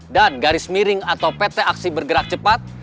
dan garis miring atau pt aksi bergerak cepat